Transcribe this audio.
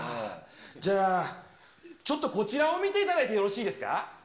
じゃあ、ちょっとこちらを見ていただいてよろしいですか。